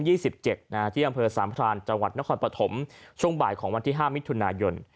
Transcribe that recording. ที่อำเภอสามพรานจังหวัดนครปฐมช่วงบ่ายของวันที่ห้ามิถุนายน